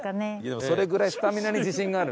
それぐらいスタミナに自信がある。